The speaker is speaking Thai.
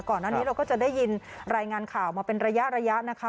ก่อนหน้านี้เราก็จะได้ยินรายงานข่าวมาเป็นระยะนะคะ